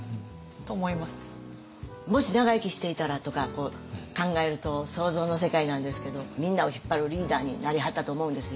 もし長生きしていたらとか考えると想像の世界なんですけどみんなを引っ張るリーダーになりはったと思うんですよ。